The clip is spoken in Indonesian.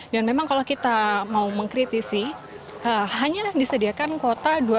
dan memang kalau kita mau mengkritisi hanya disediakan kuota dua ratus